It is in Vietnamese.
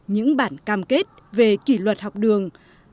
những bản cam kết về kỷ luật học đường